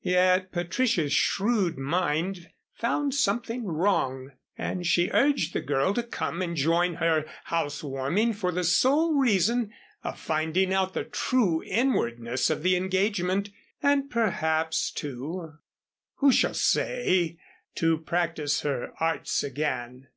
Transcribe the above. Yet Patricia's shrewd mind found something wrong and she urged the girl to come and join her housewarming for the sole reason of finding out the true inwardness of the engagement, and perhaps, too who shall say? to practice her arts again.